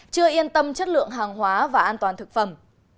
chưa yên tâm chất lượng hàng hóa và an toàn thực phẩm